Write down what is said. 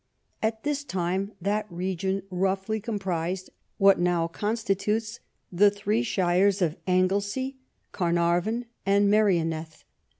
At this time that region roughly comprised what now constitutes the three shires of Anglesea, Carnarvon, and Merioneth.